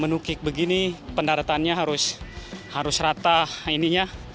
menukik begini pendaratannya harus rata ininya